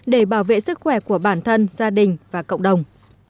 để bảo vệ sức khỏe của bản thân gia đình và cộng đồng